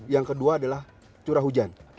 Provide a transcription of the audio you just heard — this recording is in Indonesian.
yang kedua adalah curah hujan